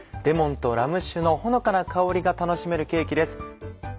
レモンとラム酒のほのかな香りが楽しめるケーキです。